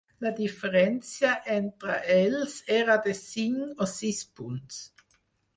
La diferència entre ells era de cinc o sis punts.